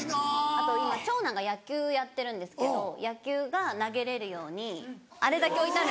あと今長男が野球やってるんですけど野球が投げれるようにあれだけ置いてある。